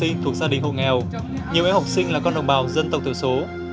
nhiều em học sinh là con đồng bào dân tộc tự số